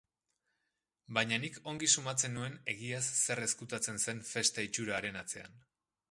Baina nik ongi sumatzen nuen egiaz zer ezkutatzen zen festa itxura haren atzean.